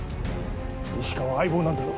石川は相棒なんだろ？